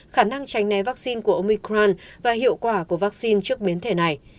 khả năng tránh né vaccine của omicran và hiệu quả của vaccine trước biến thể này